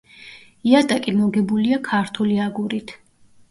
იატაკი მოგებულია ქართული აგურით.